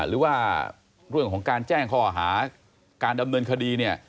หรือว่าเรื่องของการแจ้งข้อหาการดำเนินคดีเนี่ย